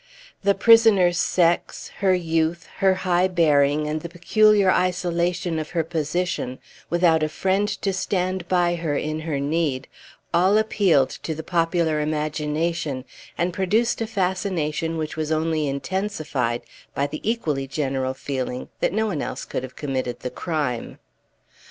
The prisoner's sex, her youth, her high bearing, and the peculiar isolation of her position, without a friend to stand by her in her need, all appealed to the popular imagination, and produced a fascination which was only intensified by the equally general feeling that no one else could have committed the crime.